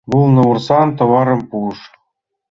Вулно вурсан товарым пуыш.